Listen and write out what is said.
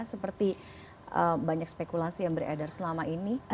seperti banyak spekulasi yang beredar selama ini